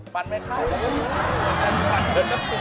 ปันไม่ทัก